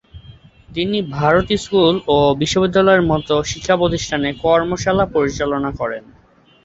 তিনি ভারত জুড়ে স্কুল ও বিশ্ববিদ্যালয়ের মতো শিক্ষাপ্রতিষ্ঠানে কর্মশালা পরিচালনা করেন।